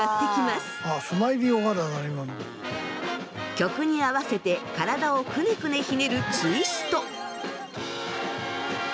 曲に合わせて体をクネクネひねるツイスト。